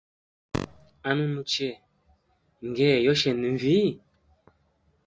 Anunu che ,nge yoshenda nvii?